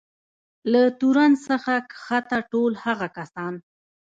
له تورن څخه کښته ټول هغه کسان.